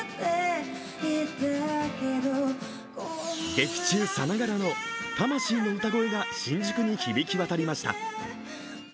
劇中さながらの魂の歌声が新宿に響き渡りました。